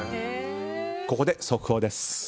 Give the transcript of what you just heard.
ここで速報です。